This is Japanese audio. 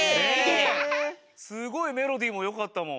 すごいメロディーもよかったもん。